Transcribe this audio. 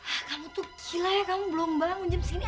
ah kamu tuh gila ya kamu belum bangun jam segini